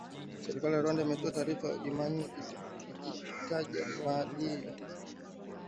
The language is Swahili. Serikali ya Rwanda imetoa taarifa jumanne, ikitaja madai hayo kuwa si ya katika mazungumzo na kiongozi huyo mkongwe wa Uganda